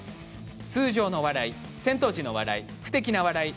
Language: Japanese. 通常の笑い、戦闘時の笑い不敵な笑い